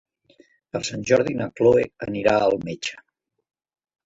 Per Sant Jordi na Chloé anirà al metge.